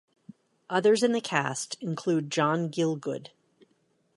Others in the cast include John Gielgud.